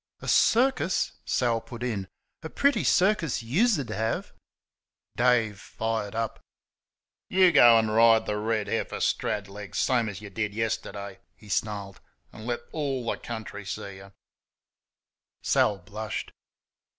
"A CIRCUS!" Sal put in "a PRETTY circus YOUS'D have!" Dave fired up. "YOU go and ride the red heifer, strad legs, same as y' did yesterday," he snarled, "an' let all the country see y'." Sal blushed.